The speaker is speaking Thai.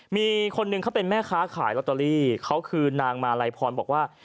มีคนหนึ่งเขาเป็นแม่ค้าขายลอตเตอรี่เขาคือนางมาลัยพรบอกว่า